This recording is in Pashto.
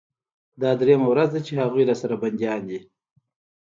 دا درېيمه ورځ ده چې هغوى راسره بنديان دي.